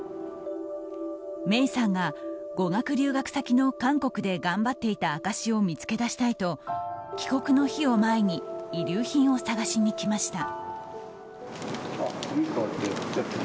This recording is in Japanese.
芽生さんが語学留学先の韓国で頑張っていた証しを見つけ出したいと帰国の日を前に遺留品を探しに来ました。